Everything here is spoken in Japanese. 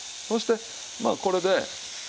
そしてまあこれで。